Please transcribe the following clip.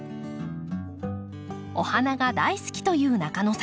お花が大好きという中野さん。